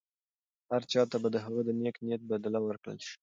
هر چا ته به د هغه د نېک نیت بدله ورکړل شي.